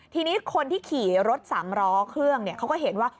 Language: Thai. ทีนี้คนที่ขี่รถสามล้อเครื่องเขาก็เห็นว่า